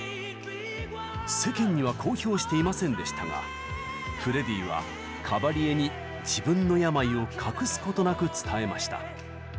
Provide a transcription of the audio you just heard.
世間には公表していませんでしたがフレディはカバリエに自分の病を隠すことなく伝えました。